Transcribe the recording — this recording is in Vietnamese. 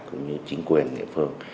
cũng như chính quyền địa phương